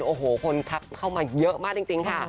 โอ้โหคนทักเข้ามาเยอะมากจริงค่ะ